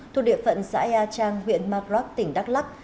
thuộc địa phận xã ea trang huyện madrak tỉnh đắk lắc